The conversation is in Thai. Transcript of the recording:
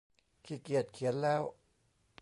ขี้เกียจเขียนแล้ว